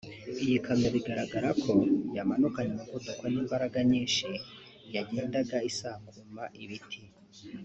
Iyi kamyo bigaragara ko yamanukanye umuvuduko n’imbaraga nyinshi yagendaga isakuma ibiti